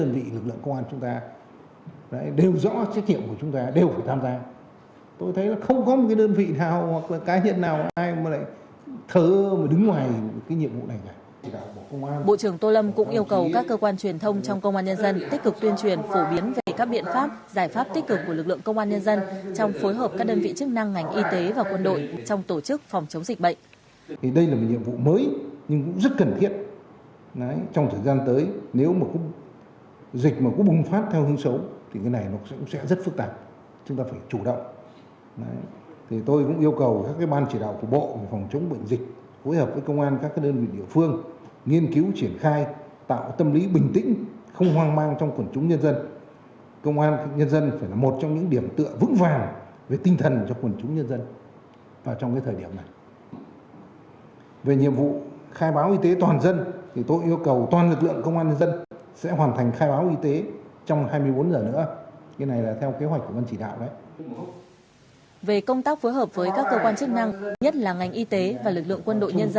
bộ trưởng tô lâm cũng yêu cầu các cơ quan truyền thông trong công an nhân dân tích cực tuyên truyền phổ biến về các biện pháp giải phóng tích cực của lực lượng công an nhân dân trong phối hợp các biện phóng chống dịch bệnh